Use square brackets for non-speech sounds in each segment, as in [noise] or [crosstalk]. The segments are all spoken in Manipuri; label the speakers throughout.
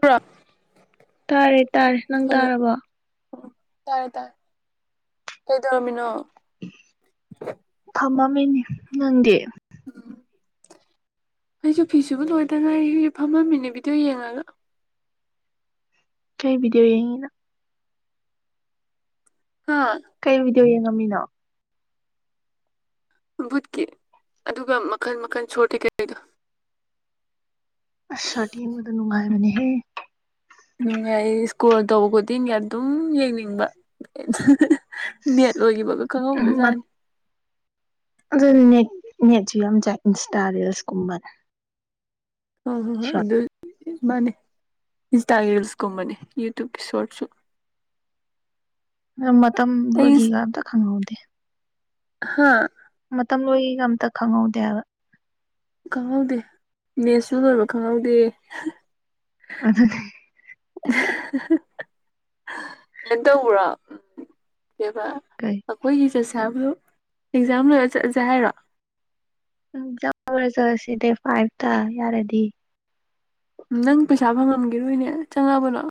Speaker 1: ꯄ꯭ꯔꯣ
Speaker 2: ꯇꯥꯔꯦ ꯇꯥꯔꯦ ꯅꯪ ꯇꯥꯔꯕꯣ
Speaker 1: ꯎꯝ ꯇꯥꯔꯦ ꯇꯥꯔꯦ ꯀꯩꯗꯧꯔꯝꯃꯤꯅꯣ
Speaker 2: ꯐꯝꯃꯝ [unintelligible] ꯅꯪꯗꯤ
Speaker 1: ꯑꯩꯁꯨ ꯐꯤꯁꯨꯕ ꯂꯣꯏ ꯀꯩꯅꯣ ꯑꯩ ꯐꯝꯃꯝꯃꯤꯅꯦ ꯕꯤꯗꯤꯑꯣ ꯌꯦꯡꯉꯒ
Speaker 2: ꯀꯩ ꯕꯤꯗꯤꯑꯣ ꯌꯦꯡꯉꯤꯅꯣ
Speaker 1: ꯍꯥ
Speaker 2: ꯀꯩ ꯀꯔꯤ ꯌꯦꯡꯉꯝꯃꯤꯅꯣ
Speaker 1: ꯕꯨꯠꯀꯤ ꯑꯗꯨꯒ ꯃꯈꯜ ꯃꯈꯜ ꯁꯣꯔ
Speaker 2: ꯑꯁ ꯁꯣꯔꯇ ꯌꯦꯡꯕꯗ ꯅꯨꯡꯉꯥꯏꯕꯅꯦꯍꯦ
Speaker 1: ꯅꯨꯡꯉꯥꯏꯌꯦ ꯏꯁꯀ꯭ꯔꯣꯜ ꯇꯧꯕ ꯈꯨꯗꯤꯡꯒꯤ ꯑꯗꯨꯝ ꯌꯦꯡꯅꯤꯡꯕ ꯅꯦꯠ ꯂꯣꯏꯈꯤꯕ ꯈꯪꯍꯧꯗꯥꯖꯥꯠꯅꯤ
Speaker 2: ꯑꯗꯨꯅꯤꯅꯦ ꯅꯦꯠꯁꯨ ꯌꯥꯝ ꯆꯥꯏ ꯏꯟꯁꯇꯥꯥ ꯔꯤꯜꯁꯀꯨꯝꯕꯗ
Speaker 1: ꯍꯣ ꯍꯣ ꯍꯣꯏ ꯑꯗꯨ ꯃꯥꯅꯦ ꯏꯟꯁꯇꯥꯒꯤ ꯔꯤꯜꯁꯀꯨꯝꯕꯅꯤ ꯌꯨꯇꯨꯞꯀꯤ ꯁꯣꯔ꯭ꯗꯁ ꯁꯨ
Speaker 2: ꯃꯇꯝ ꯂꯣꯏꯈꯤꯒ ꯑꯝꯇ ꯈꯪꯍꯧꯗꯦ꯫
Speaker 1: ꯍꯥ
Speaker 2: ꯃꯇꯝ ꯂꯣꯏꯒ ꯑꯝꯇ ꯈꯪꯍꯧꯗꯦ ꯍꯥꯏꯕ꯫
Speaker 1: ꯈꯪꯍꯧꯗꯦ ꯅꯦꯁꯨ ꯂꫭꯏꯕ ꯈꯪꯍꯧꯗꯦ꯫
Speaker 2: ꯑꯗꯨꯅꯤ
Speaker 1: ꯀꯩꯝꯇꯧꯕ꯭ꯔꫭ ꯕꯦꯕꯥ
Speaker 2: ꯀꯩ
Speaker 1: ꯑꯩꯈꯣꯏꯒꯤ ꯆꯠꯁ ꯏꯁꯥꯕꯨ ꯑꯦꯛꯖꯥꯝ ꯂꯣꯏꯔ ꯆꯠꯂꯁꯦ ꯍꯥꯏꯔꯣ
Speaker 2: ꯎꯝ ꯏꯛꯖꯥꯝ ꯂꫭꯏꯔ ꯆꯠꯂꯁꯤ ꯗꯦꯠ ꯐꯥꯏꯚꯇ ꯌꯥꯔꯗꯤ꯫
Speaker 1: ꯅꯪ ꯄꯩꯁꯥ ꯐꯪꯉꯝꯈꯤꯔꯣꯏꯅꯦ ꯆꯪꯉꯕꯅꯣ꯫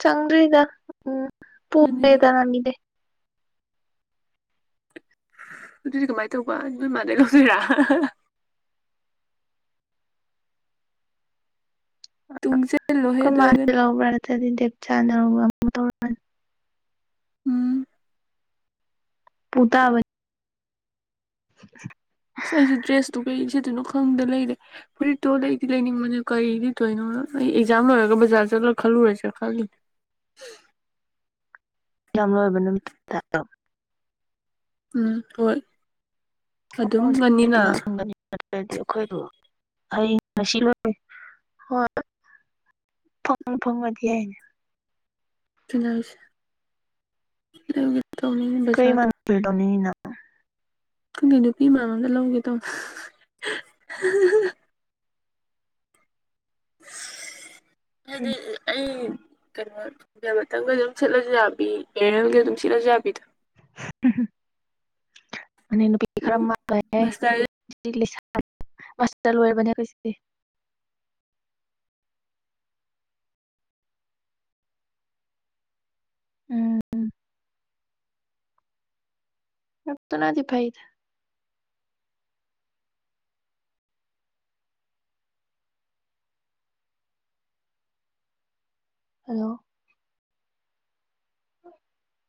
Speaker 2: ꯆꯪꯗ꯭ꯔꯤꯗ ꯎꯝ
Speaker 1: ꯑꯗꯨꯅꯦ
Speaker 2: ꯄꫭꯔꯦ ꯇꯅꯃꯤꯗꯦ
Speaker 1: ꯑꯗꯨꯗꯤ ꯀꯃꯥꯏꯅ ꯇꯧꯕ ꯅꯣꯏ ꯃꯥꯗꯩ ꯂꯧꯗꫭꯏꯔꯥ꯫ ꯇꯨꯡꯁꯤꯜꯂꯣꯍꯦ ꯑꯗꯨ ꯑꯣꯏꯔꯒꯅ
Speaker 2: [unintelligible] [inaudible] ꯆꯥꯟꯅꯔꯨꯕ [inaudible] ꯇꯧꯔꯅꯤ
Speaker 1: ꯎꯝ
Speaker 2: ꯄꯨꯇꯥꯕ [unintelligible]
Speaker 1: ꯑꯁ ꯑꯩꯁꯨ ꯗ꯭ꯔꯦꯁꯇꯨ ꯀꯔꯤꯁꯦꯠꯇꯨꯏꯅꯣ ꯈꯪꯗ ꯂꯩꯔꯦ ꯐꯨꯔꯤꯠꯇꯣ ꯂꯩꯗꯤ ꯂꯩꯅꯤꯡꯕꯅꯦ ꯀꯔꯤꯗꯤ ꯂꯤꯠꯇꯣꯏꯅꯣ ꯑꯩ ꯑꯦꯛꯖꯥꯝ ꯂꯣꯏꯔꯒ ꯕꯖꯥꯔ ꯆꯠꯂ ꯈꯜꯂꯨꯔꯁꯦ ꯈꯜꯂꯤꯅꯦ꯫
Speaker 2: ꯌꯥꯝ ꯂꯣꯏꯕ ꯅꯨꯃꯤꯠ [unintelligible]
Speaker 1: ꯎꯝ ꯍꯣꯏ ꯑꯗꯨꯝ ꯉꯟꯅꯤꯅ
Speaker 2: [unintelligible] ꯑꯩ ꯉꯁꯤ ꯂꯣꯏꯔꯦ ꯍꯣꯏ ꯐꯪꯉ ꯐꯪꯉꯗꯤ ꯌꯥꯏꯅ
Speaker 1: [unintelligible] [inaudible]
Speaker 2: ꯀꯩ
Speaker 1: ꯕꯖꯥꯔꯗ
Speaker 2: ꯃꯥꯥꯡ ꯇꯧꯅꯤꯡꯏꯅꫭ
Speaker 1: ꯈꯪꯗꯦ ꯅꯨꯄꯤ ꯃꯥꯟꯕ ꯑꯃꯗ ꯂꯧꯒꯦ ꯇꯧ [unintelligible] [inaudible] ꯍꯥꯏꯗꯤ ꯑꯩ ꯀꯩꯅꯣ ꯈꯤꯇꯪꯒ ꯑꯗꯨꯝ ꯁꯦꯠꯂꯁꯨ ꯌꯥꯕꯤ ꯄꯦꯔꯦꯜꯒ ꯑꯗꯨꯝ ꯁꯠꯂꯁꯨ ꯌꯥꯕꯤꯗꫭ꯫
Speaker 2: ꯎꯝꯍ
Speaker 1: ꯎꯝ ꯃꯁꯇꯔ
Speaker 2: [unintelligible] [inaudible] ꯃꯁꯇ ꯂꫭꯏꯔꯕꯅꯦ ꯑꯈꫭꯁꯦ꯫ ꯎꯝ ꯑꯇ ꯅꯗꯤ ꯐꯥꯏꯗ ꯍꯜꯂꯣ [unintelligible] [inaudible]